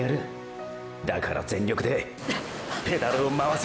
だから全力でペダルを回せ！！